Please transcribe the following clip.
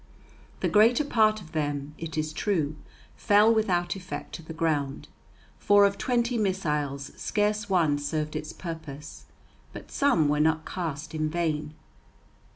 The greater part of them, it is true, fell without effect to the ground, for of twenty missiles scarce one served its purpose, but some were not cast in vain.